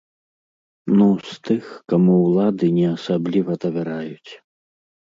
Ну, з тых, каму ўлады не асабліва давяраюць.